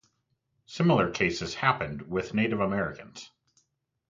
Similar cases happened with Native Americans.